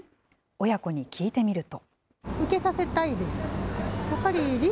親子に聞いてみると。